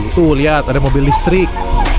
tuh lihat ada mobil listrik